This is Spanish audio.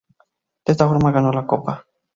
De esta forma ganó la Copa.